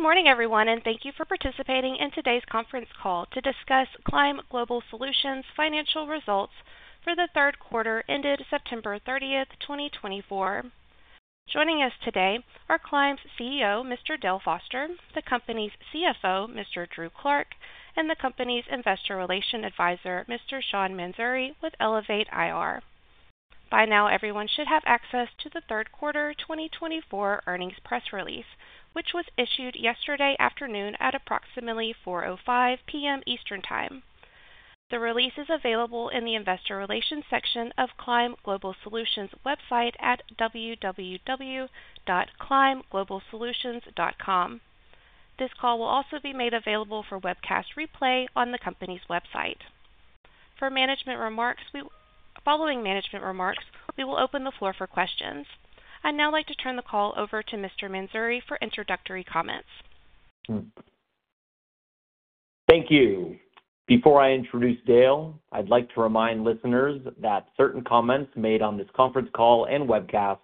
Good morning, everyone, and thank you for participating in today's conference call to discuss Climb Global Solutions' financial results for the third quarter ended September 30, 2024. Joining us today are Climb's CEO, Mr. Dale Foster, the company's CFO, Mr. Drew Clark, and the company's investor relations advisor, Mr. Sean Mansouri, with Elevate IR. By now, everyone should have access to the third quarter 2024 earnings press release, which was issued yesterday afternoon at approximately 4:05 P.M. Eastern Time. The release is available in the investor relations section of Climb Global Solutions' website at www.climbglobalsolutions.com. This call will also be made available for webcast replay on the company's website. For management remarks. Following management remarks, we will open the floor for questions. I'd now like to turn the call over to Mr. Mansouri for introductory comments. Thank you. Before I introduce Dale, I'd like to remind listeners that certain comments made on this conference call and webcast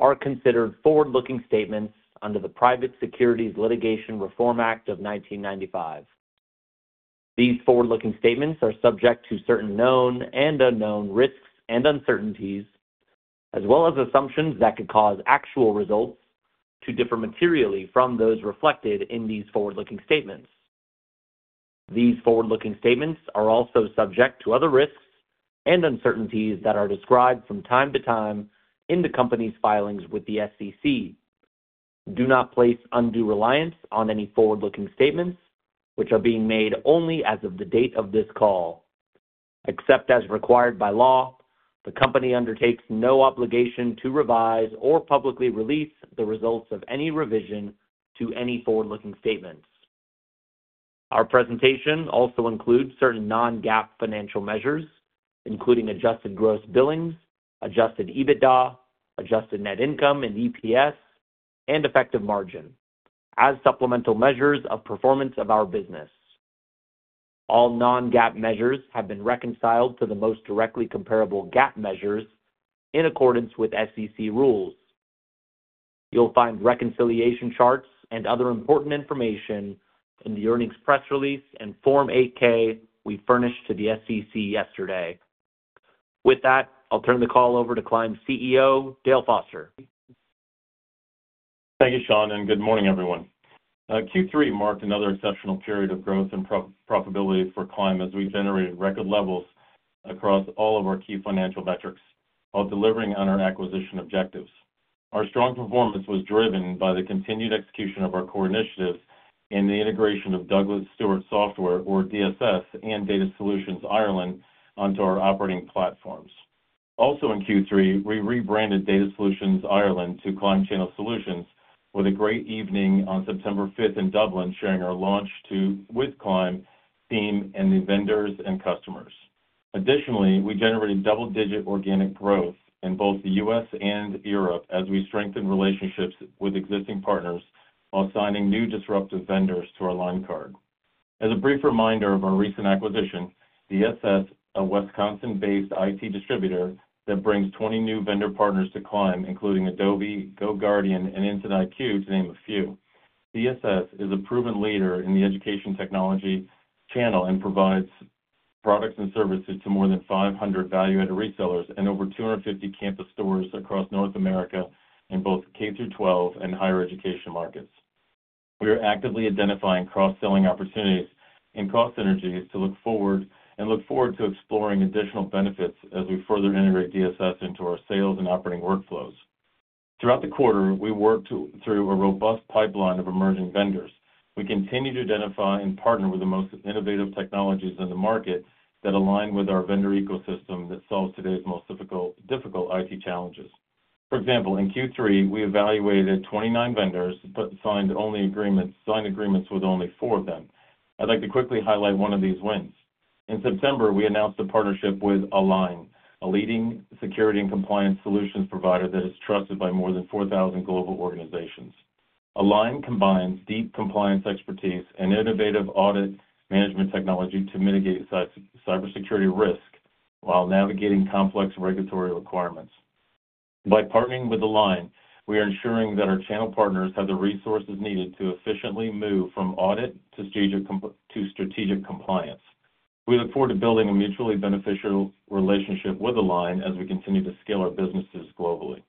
are considered forward-looking statements under the Private Securities Litigation Reform Act of 1995. These forward-looking statements are subject to certain known and unknown risks and uncertainties, as well as assumptions that could cause actual results to differ materially from those reflected in these forward-looking statements. These forward-looking statements are also subject to other risks and uncertainties that are described from time to time in the company's filings with the SEC. Do not place undue reliance on any forward-looking statements, which are being made only as of the date of this call. Except as required by law, the company undertakes no obligation to revise or publicly release the results of any revision to any forward-looking statements. Our presentation also includes certain non-GAAP financial measures, including Adjusted Gross Billings, Adjusted EBITDA, Adjusted Net Income and EPS, and effective margin, as supplemental measures of performance of our business. All non-GAAP measures have been reconciled to the most directly comparable GAAP measures in accordance with SEC rules. You'll find reconciliation charts and other important information in the earnings press release and Form 8-K we furnished to the SEC yesterday. With that, I'll turn the call over to Climb's CEO, Dale Foster. Thank you, Sean, and good morning, everyone. Q3 marked another exceptional period of growth and profitability for Climb as we generated record levels across all of our key financial metrics while delivering on our acquisition objectives. Our strong performance was driven by the continued execution of our core initiatives and the integration of Douglas Stewart Software, or DSS, and DataSolutions Ireland onto our operating platforms. Also, in Q3, we rebranded DataSolutions Ireland to Climb Channel Solutions, with a great evening on September 5 in Dublin sharing our launch together with the Climb team and the vendors and customers. Additionally, we generated double-digit organic growth in both the U.S. and Europe as we strengthened relationships with existing partners while signing new disruptive vendors to our line card. As a brief reminder of our recent acquisition, DSS, a Wisconsin-based IT distributor that brings 20 new vendor partners to Climb, including Adobe, GoGuardian, and Incident IQ, to name a few. DSS is a proven leader in the education technology channel and provides products and services to more than 500 value-added resellers and over 250 campus stores across North America in both K-12 and higher education markets. We are actively identifying cross-selling opportunities and cost synergies to look forward to exploring additional benefits as we further integrate DSS into our sales and operating workflows. Throughout the quarter, we worked through a robust pipeline of emerging vendors. We continue to identify and partner with the most innovative technologies in the market that align with our vendor ecosystem that solves today's most difficult IT challenges. For example, in Q3, we evaluated 29 vendors but signed agreements with only four of them. I'd like to quickly highlight one of these wins. In September, we announced a partnership with A-LIGN, a leading security and compliance solutions provider that is trusted by more than 4,000 global organizations. A-LIGN combines deep compliance expertise and innovative audit management technology to mitigate cybersecurity risk while navigating complex regulatory requirements. By partnering with A-LIGN, we are ensuring that our channel partners have the resources needed to efficiently move from audit to strategic compliance. We look forward to building a mutually beneficial relationship with A-LIGN as we continue to scale our businesses globally.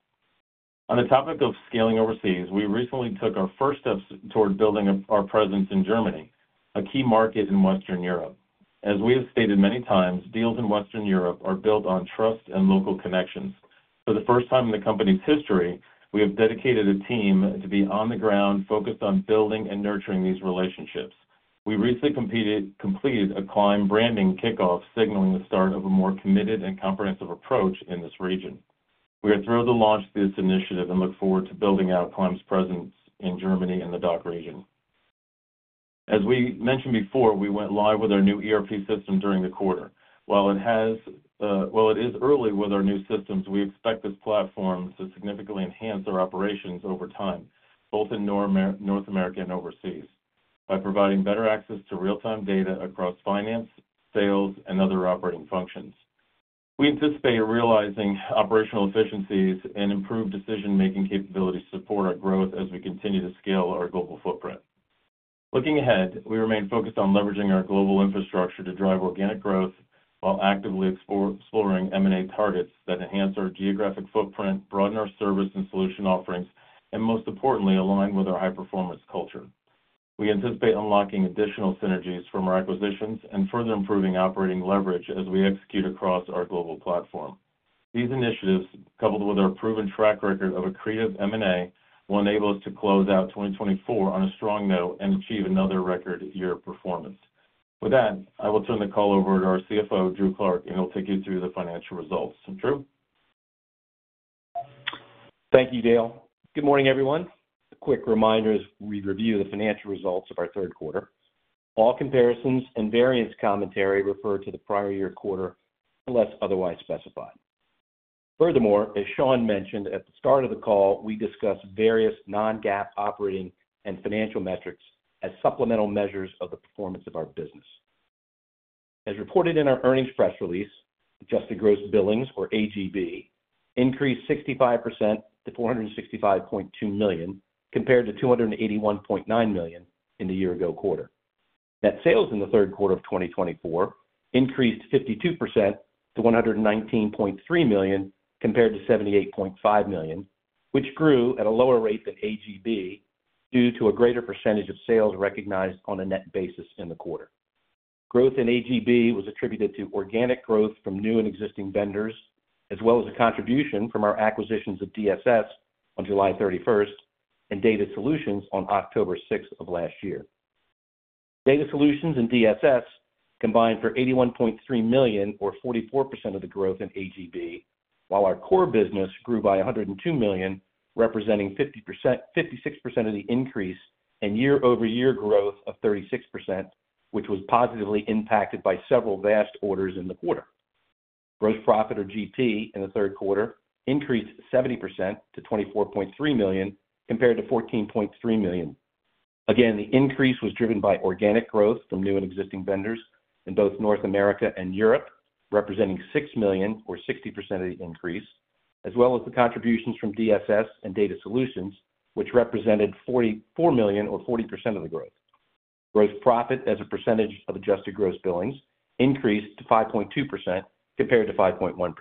On the topic of scaling overseas, we recently took our first steps toward building our presence in Germany, a key market in Western Europe. As we have stated many times, deals in Western Europe are built on trust and local connections. For the first time in the company's history, we have dedicated a team to be on the ground focused on building and nurturing these relationships. We recently completed a Climb branding kickoff, signaling the start of a more committed and comprehensive approach in this region. We are thrilled to launch this initiative and look forward to building out Climb's presence in Germany and the DACH region. As we mentioned before, we went live with our new ERP system during the quarter. While it is early with our new systems, we expect this platform to significantly enhance our operations over time, both in North America and overseas, by providing better access to real-time data across finance, sales, and other operating functions. We anticipate realizing operational efficiencies and improved decision-making capabilities to support our growth as we continue to scale our global footprint. Looking ahead, we remain focused on leveraging our global infrastructure to drive organic growth while actively exploring M&A targets that enhance our geographic footprint, broaden our service and solution offerings, and most importantly, A-LIGN with our high-performance culture. We anticipate unlocking additional synergies from our acquisitions and further improving operating leverage as we execute across our global platform. These initiatives, coupled with our proven track record of accretive M&A, will enable us to close out 2024 on a strong note and achieve another record year of performance. With that, I will turn the call over to our CFO, Drew Clark, and he'll take you through the financial results. Thank you, Dale. Good morning, everyone. A quick reminder as we review the financial results of our third quarter. All comparisons and variance commentary refer to the prior year quarter unless otherwise specified. Furthermore, as Sean mentioned at the start of the call, we discuss various non-GAAP operating and financial metrics as supplemental measures of the performance of our business. As reported in our earnings press release, Adjusted Gross Billings, or AGB, increased 65% to $465.2 million compared to $281.9 million in the year-ago quarter. Net sales in the third quarter of 2024 increased 52% to $119.3 million compared to $78.5 million, which grew at a lower rate than AGB due to a greater percentage of sales recognized on a net basis in the quarter. Growth in AGB was attributed to organic growth from new and existing vendors, as well as a contribution from our acquisitions of DSS on July 31 and DataSolutions on October 6 of last year. DataSolutions and DSS combined for $81.3 million, or 44% of the growth in AGB, while our core business grew by $102 million, representing 56% of the increase and year-over-year growth of 36%, which was positively impacted by several VAST orders in the quarter. Gross profit, or GP, in the third quarter increased 70% to $24.3 million compared to $14.3 million. Again, the increase was driven by organic growth from new and existing vendors in both North America and Europe, representing $6 million, or 60% of the increase, as well as the contributions from DSS and DataSolutions, which represented $44 million, or 40% of the growth. Gross profit, as a percentage of Adjusted Gross Billings, increased to 5.2% compared to 5.1%.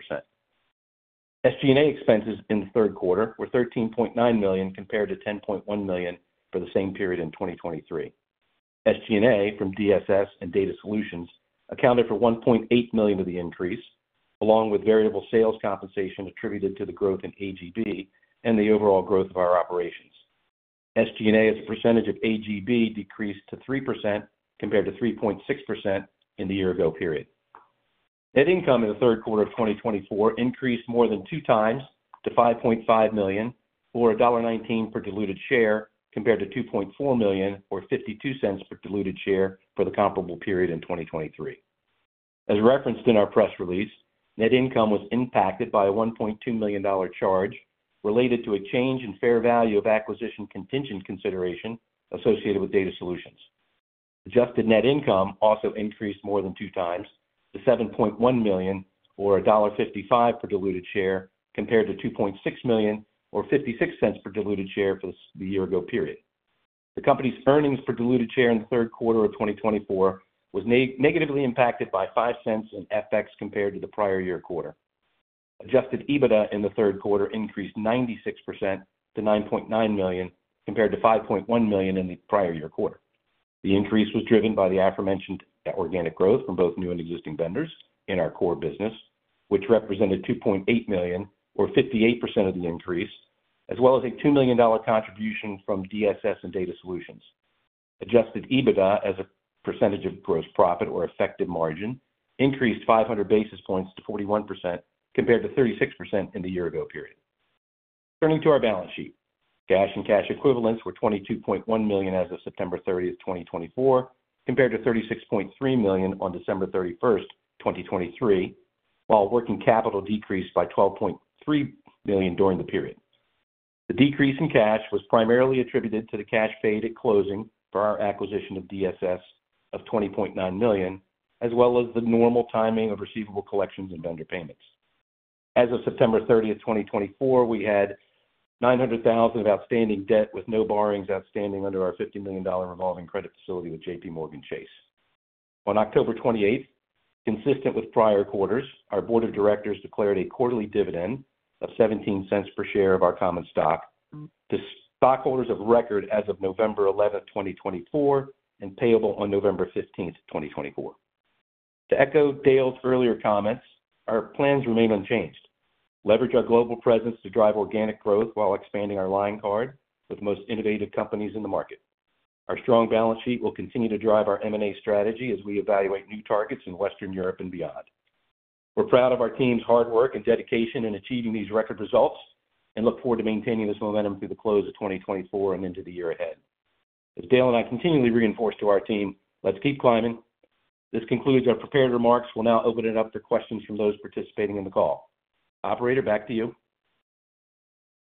SG&A expenses in the third quarter were $13.9 million compared to $10.1 million for the same period in 2023. SG&A from DSS and DataSolutions accounted for $1.8 million of the increase, along with variable sales compensation attributed to the growth in AGB and the overall growth of our operations. SG&A, as a percentage of AGB, decreased to 3% compared to 3.6% in the year-ago period. Net income in the third quarter of 2024 increased more than two times to $5.5 million, or $1.19 per diluted share, compared to $2.4 million, or $0.52 per diluted share for the comparable period in 2023. As referenced in our press release, net income was impacted by a $1.2 million charge related to a change in fair value of acquisition contingent consideration associated with DataSolutions. Adjusted net income also increased more than two times to $7.1 million, or $1.55 per diluted share, compared to $2.6 million, or $0.56 per diluted share for the year-ago period. The company's earnings per diluted share in the third quarter of 2024 was negatively impacted by $0.05 in FX compared to the prior year quarter. Adjusted EBITDA in the third quarter increased 96% to $9.9 million, compared to $5.1 million in the prior year quarter. The increase was driven by the aforementioned organic growth from both new and existing vendors in our core business, which represented $2.8 million, or 58% of the increase, as well as a $2 million contribution from DSS and DataSolutions. Adjusted EBITDA, as a percentage of gross profit, or effective margin, increased 500 basis points to 41% compared to 36% in the year-ago period. Turning to our balance sheet, cash and cash equivalents were $22.1 million as of September 30, 2024, compared to $36.3 million on December 31, 2023, while working capital decreased by $12.3 million during the period. The decrease in cash was primarily attributed to the cash paid at closing for our acquisition of DSS of $20.9 million, as well as the normal timing of receivable collections and vendor payments. As of September 30, 2024, we had $900,000 of outstanding debt with no borrowings outstanding under our $50 million revolving credit facility with JPMorgan Chase. On October 28, consistent with prior quarters, our board of directors declared a quarterly dividend of $0.17 per share of our common stock to stockholders of record as of November 11, 2024, and payable on November 15, 2024. To echo Dale's earlier comments, our plans remain unchanged. Leverage our global presence to drive organic growth while expanding our line card with most innovative companies in the market. Our strong balance sheet will continue to drive our M&A strategy as we evaluate new targets in Western Europe and beyond. We're proud of our team's hard work and dedication in achieving these record results and look forward to maintaining this momentum through the close of 2024 and into the year ahead. As Dale and I continually reinforce to our team, let's keep climbing. This concludes our prepared remarks. We'll now open it up to questions from those participating in the call. Operator, back to you.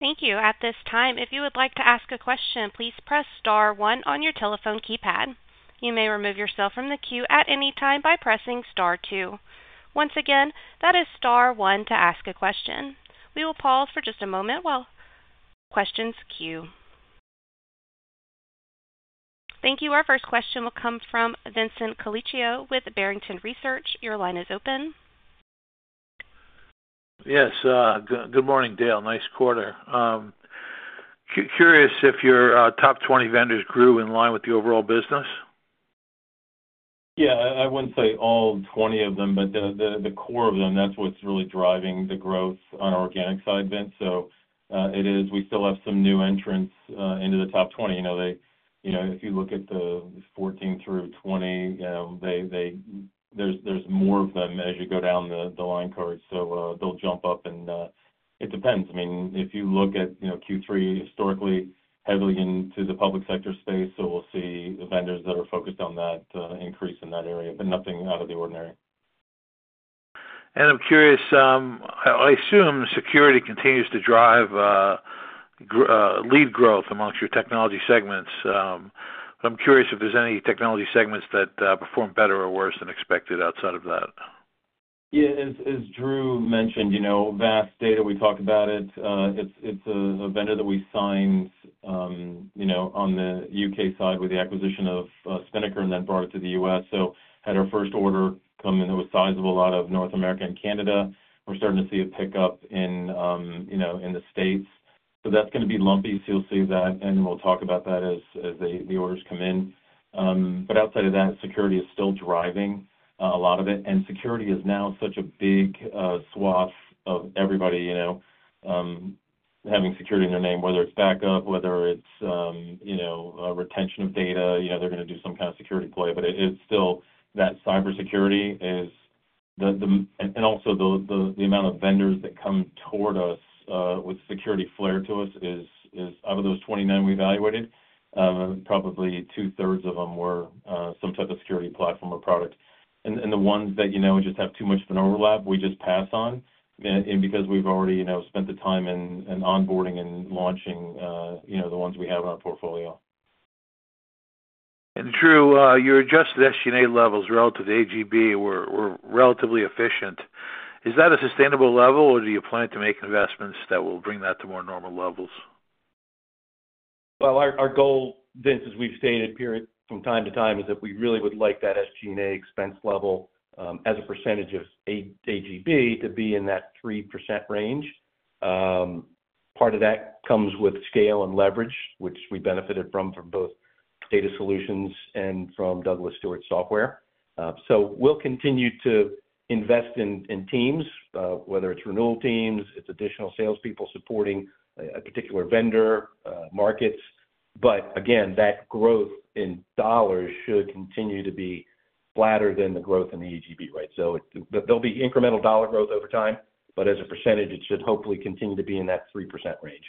Thank you. At this time, if you would like to ask a question, please press Star 1 on your telephone keypad. You may remove yourself from the queue at any time by pressing Star 2. Once again, that is Star 1 to ask a question. We will pause for just a moment while questions queue. Thank you. Our first question will come from Vincent Colicchio with Barrington Research. Your line is open. Yes. Good morning, Dale. Nice quarter. Curious if your top 20 vendors grew in line with the overall business? Yeah. I wouldn't say all 20 of them, but the core of them, that's what's really driving the growth on our organic side, Vince. So it is. We still have some new entrants into the top 20. If you look at the 14-20, there's more of them as you go down the line card. So they'll jump up, and it depends. I mean, if you look at Q3, historically, heavily into the public sector space, so we'll see vendors that are focused on that increase in that area, but nothing out of the ordinary. I'm curious, I assume security continues to drive lead growth among your technology segments. I'm curious if there's any technology segments that perform better or worse than expected outside of that. Yeah. As Drew mentioned, VAST Data, we talked about it. It's a vendor that we signed on the U.K. side with the acquisition of Spinnakar and then brought it to the U.S., so had our first order come in, it was sizable out of North America and Canada. We're starting to see a pickup in the States, so that's going to be lumpy, so you'll see that, and we'll talk about that as the orders come in. But outside of that, security is still driving a lot of it, and security is now such a big swath of everybody having security in their name, whether it's backup, whether it's retention of data. They're going to do some kind of security play, but it's still that cybersecurity is, and also the amount of vendors that come toward us with security flair to us is, out of those 29 we evaluated, probably two-thirds of them were some type of security platform or product. And the ones that just have too much of an overlap, we just pass on because we've already spent the time in onboarding and launching the ones we have in our portfolio. Drew, your Adjusted SG&A levels relative to AGB were relatively efficient. Is that a sustainable level, or do you plan to make investments that will bring that to more normal levels? Our goal, Vince, as we've stated from time to time, is that we really would like that SG&A expense level as a percentage of AGB to be in that 3% range. Part of that comes with scale and leverage, which we benefited from both DataSolutions and from Douglas Stewart Software. So we'll continue to invest in teams, whether it's renewal teams, it's additional salespeople supporting a particular vendor, markets. But again, that growth in dollars should continue to be flatter than the growth in the AGB, right? So there'll be incremental dollar growth over time, but as a percentage, it should hopefully continue to be in that 3% range.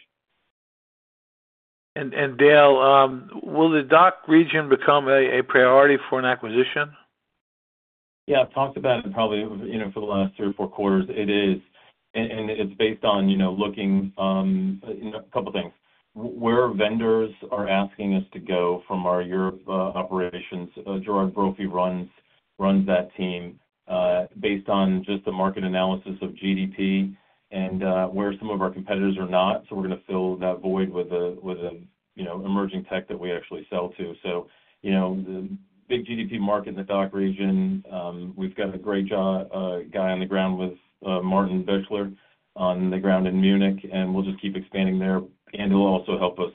Dale, will the DACH region become a priority for an acquisition? Yeah. I've talked about it probably for the last three or four quarters. It is. And it's based on looking at a couple of things. Where vendors are asking us to go from our Europe operations, Gerard Brophy runs that team based on just the market analysis of GDP and where some of our competitors are not. So we're going to fill that void with an emerging tech that we actually sell to. So big GDP market in the DACH region. We've got a great guy on the ground with Martin Bichler on the ground in Munich, and we'll just keep expanding there. And he'll also help us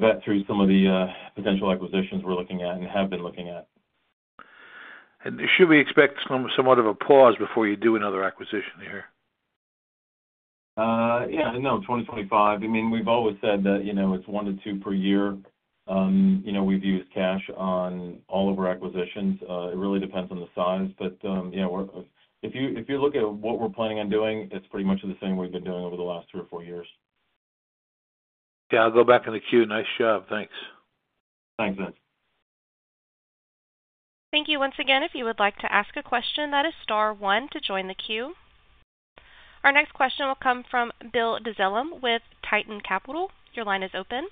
vet through some of the potential acquisitions we're looking at and have been looking at. Should we expect somewhat of a pause before you do another acquisition here? Yeah. No, 2025. I mean, we've always said that it's one to two per year. We've used cash on all of our acquisitions. It really depends on the size. But if you look at what we're planning on doing, it's pretty much the same we've been doing over the last three or four years. Dale, go back in the queue. Nice job. Thanks. Thanks, Vince. Thank you once again. If you would like to ask a question, that is Star 1 to join the queue. Our next question will come from Bill DeZellem with Tieton Capital. Your line is open.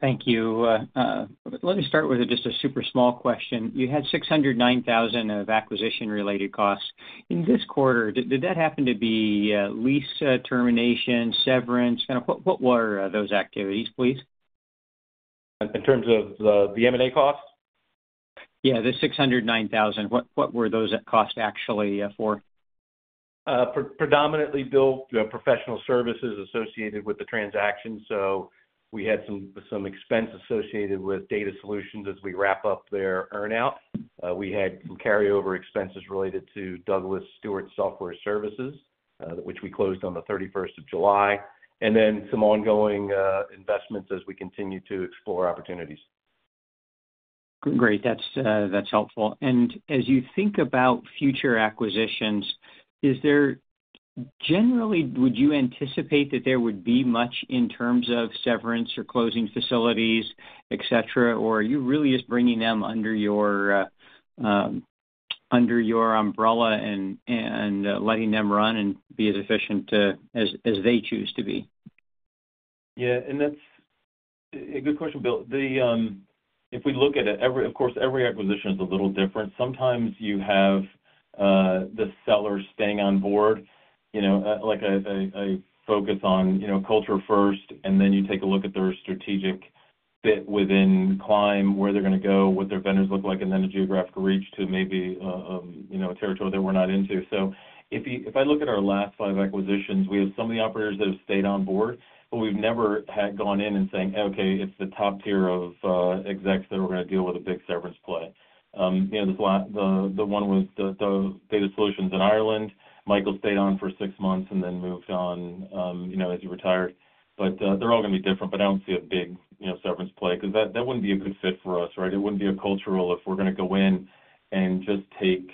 Thank you. Let me start with just a super small question. You had $609,000 of acquisition-related costs. In this quarter, did that happen to be lease termination, severance? Kind of what were those activities, please? In terms of the M&A costs? Yeah. The $609,000, what were those costs actually for? Predominantly billed professional services associated with the transaction. So we had some expense associated with DataSolutions as we wrap up their earnout. We had some carryover expenses related to Douglas Stewart Software Services, which we closed on the 31st of July. And then some ongoing investments as we continue to explore opportunities. Great. That's helpful. And as you think about future acquisitions, is there generally, would you anticipate that there would be much in terms of severance or closing facilities, etc., or are you really just bringing them under your umbrella and letting them run and be as efficient as they choose to be? Yeah. And that's a good question, Bill. If we look at it, of course, every acquisition is a little different. Sometimes you have the seller staying on board. I focus on culture first, and then you take a look at their strategic fit within Climb, where they're going to go, what their vendors look like, and then a geographical reach to maybe a territory that we're not into. So if I look at our last five acquisitions, we have some of the operators that have stayed on board, but we've never gone in and saying, "Okay, it's the top tier of execs that we're going to deal with a big severance play." The one was DataSolutions Ireland. Michael stayed on for six months and then moved on as he retired. But they're all going to be different, but I don't see a big severance play because that wouldn't be a good fit for us, right? It wouldn't be a cultural if we're going to go in and just take,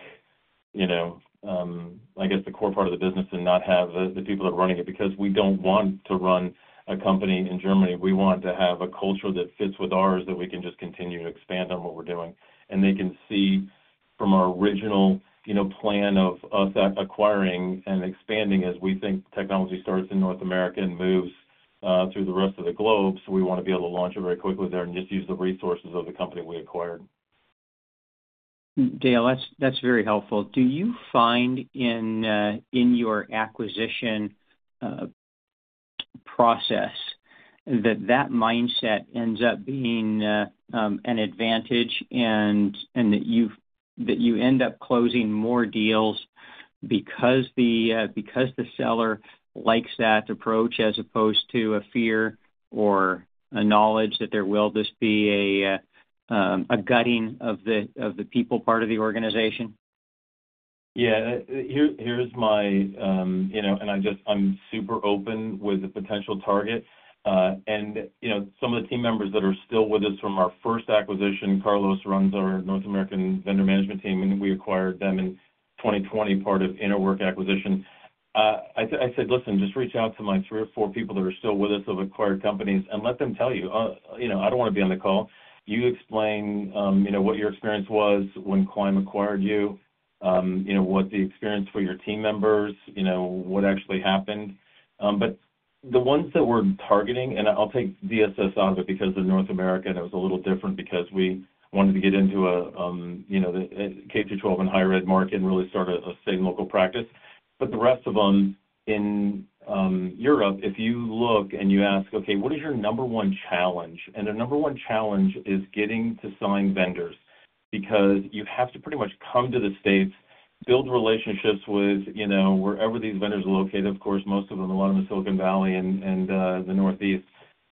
I guess, the core part of the business and not have the people that are running it because we don't want to run a company in Germany. We want to have a culture that fits with ours that we can just continue to expand on what we're doing. And they can see from our original plan of us acquiring and expanding as we think technology starts in North America and moves through the rest of the globe. So we want to be able to launch it very quickly there and just use the resources of the company we acquired. Dale, that's very helpful. Do you find in your acquisition process that that mindset ends up being an advantage and that you end up closing more deals because the seller likes that approach as opposed to a fear or a knowledge that there will just be a gutting of the people part of the organization? Yeah. Here's my and I'm super open with a potential target. And some of the team members that are still with us from our first acquisition, Carlos runs our North American vendor management team, and we acquired them in 2020 part of Interwork acquisition. I said, "Listen, just reach out to my three or four people that are still with us of acquired companies and let them tell you. I don't want to be on the call. You explain what your experience was when Climb acquired you, what the experience for your team members, what actually happened." The ones that we're targeting, and I'll take DSS out of it because of North America, and it was a little different because we wanted to get into a K-12 and higher ed market and really start a state and local practice. But the rest of them in Europe, if you look and you ask, "Okay, what is your number one challenge?" And the number one challenge is getting to sign vendors because you have to pretty much come to the States, build relationships with wherever these vendors are located. Of course, most of them, a lot of them are Silicon Valley and the Northeast.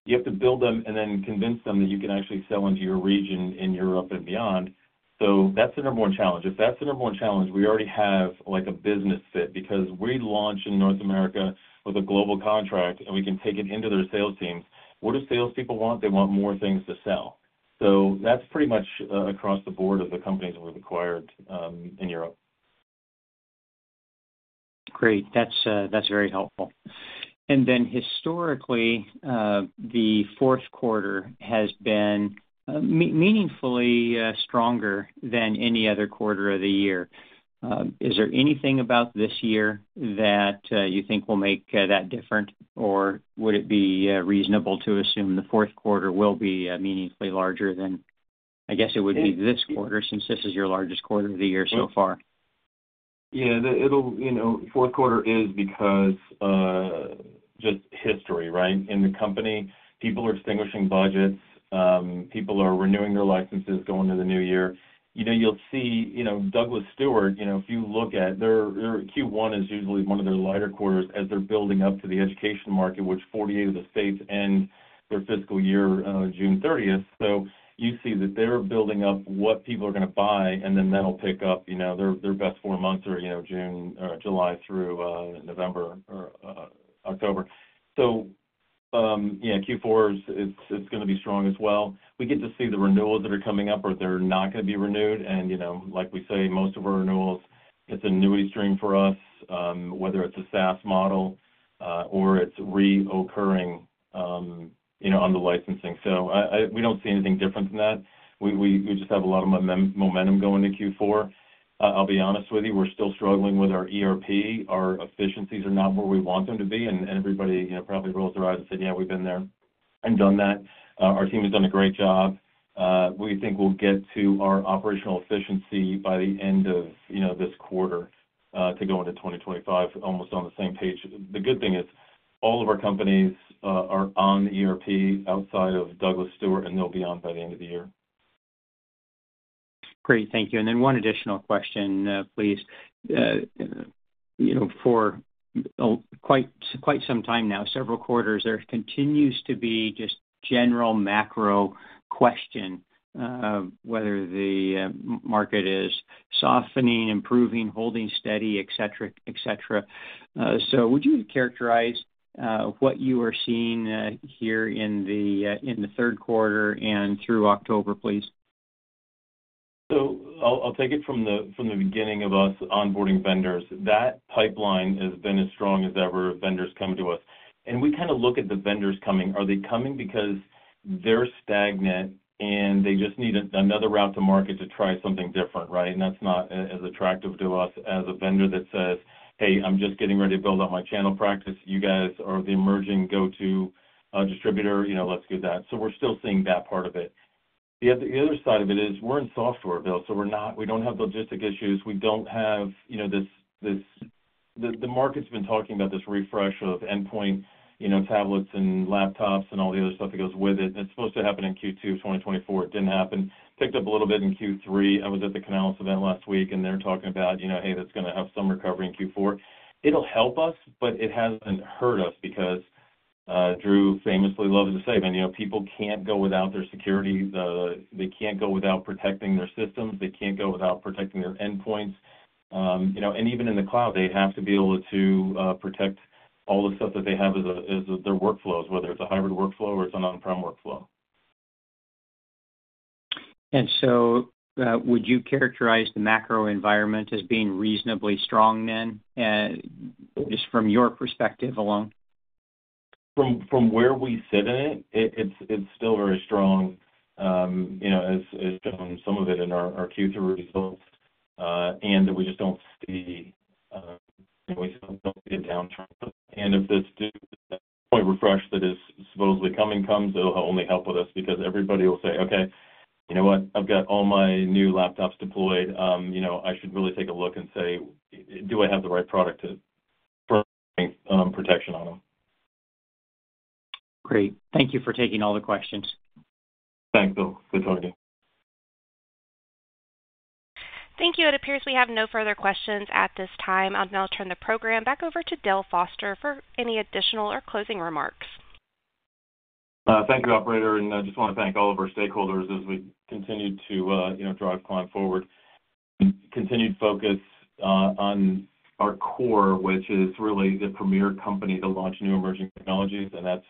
You have to build them and then convince them that you can actually sell into your region in Europe and beyond. So that's the number one challenge. If that's the number one challenge, we already have a business fit because we launch in North America with a global contract, and we can take it into their sales teams. What do salespeople want? They want more things to sell. So that's pretty much across the board of the companies we've acquired in Europe. Great. That's very helpful. And then historically, the fourth quarter has been meaningfully stronger than any other quarter of the year. Is there anything about this year that you think will make that different, or would it be reasonable to assume the fourth quarter will be meaningfully larger than I guess it would be this quarter since this is your largest quarter of the year so far? Yeah. Fourth quarter is because just history, right? In the company, people are exhausting budgets. People are renewing their licenses, going into the new year. You'll see Douglas Stewart, if you look at their Q1 is usually one of their lighter quarters as they're building up to the education market, which 48 of the states end their fiscal year on June 30th. So you see that they're building up what people are going to buy, and then that'll pick up their best four months are June, July through November or October. So yeah, Q4 is going to be strong as well. We get to see the renewals that are coming up or they're not going to be renewed, and like we say, most of our renewals, it's a new stream for us, whether it's a SaaS model or it's recurring on the licensing. So we don't see anything different than that. We just have a lot of momentum going into Q4. I'll be honest with you, we're still struggling with our ERP. Our efficiencies are not where we want them to be, and everybody probably rolls their eyes and said, "Yeah, we've been there and done that." Our team has done a great job. We think we'll get to our operational efficiency by the end of this quarter to go into 2025 almost on the same page. The good thing is all of our companies are on the ERP outside of Douglas Stewart, and they'll be on by the end of the year. Great. Thank you. And then one additional question, please. For quite some time now, several quarters, there continues to be just general macro question whether the market is softening, improving, holding steady, etc., etc. So would you characterize what you are seeing here in the third quarter and through October, please? So I'll take it from the beginning of us onboarding vendors. That pipeline has been as strong as ever of vendors coming to us. And we kind of look at the vendors coming. Are they coming because they're stagnant and they just need another route to market to try something different, right? And that's not as attractive to us as a vendor that says, "Hey, I'm just getting ready to build up my channel practice. You guys are the emerging go-to distributor. Let's do that." So we're still seeing that part of it. The other side of it is we're in software, Bill. So we don't have logistics issues. We don't have this, the market's been talking about this refresh of endpoint tablets and laptops and all the other stuff that goes with it. It's supposed to happen in Q2 of 2024. It didn't happen. Picked up a little bit in Q3. I was at the Canalys event last week, and they're talking about, "Hey, that's going to have some recovery in Q4." It'll help us, but it hasn't hurt us because Drew famously loves to say, "People can't go without their security. They can't go without protecting their systems. They can't go without protecting their endpoints." And even in the cloud, they have to be able to protect all the stuff that they have as their workflows, whether it's a hybrid workflow or it's an on-prem workflow. And so would you characterize the macro environment as being reasonably strong then just from your perspective alone? From where we sit in IT, it's still very strong as shown some of it in our Q3 results. And we just don't see. We still don't see a downturn. And if this refresh that is supposedly coming comes, it'll only help us because everybody will say, "Okay, you know what? I've got all my new laptops deployed. I should really take a look and say, 'Do I have the right product to put protection on them?' Great. Thank you for taking all the questions. Thanks, Bill. Good talking. Thank you. It appears we have no further questions at this time. I'll now turn the program back over to Dale Foster for any additional or closing remarks. Thank you, Operator. And I just want to thank all of our stakeholders as we continue to drive Climb forward and continue to focus on our core, which is really the premier company to launch new emerging technologies. And that's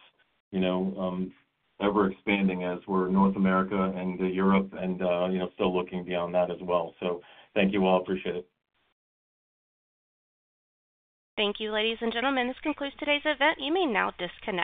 ever expanding as we're North America and Europe and still looking beyond that as well. So thank you all. Appreciate it. Thank you, ladies and gentlemen. This concludes today's event. You may now disconnect.